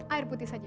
air putih saja